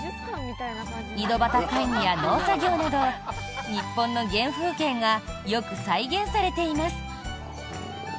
井戸端会議や農作業など日本の原風景がよく再現されています。